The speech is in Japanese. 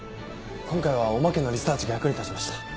今回はおまけのリサーチが役に立ちました。